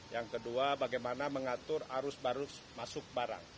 yang kedua bagaimana mengatur arus baru masuk barang